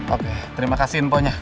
oke terima kasih infonya